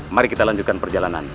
mari kita lanjutkan perjalanan